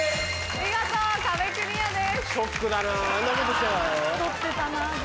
見事壁クリアです。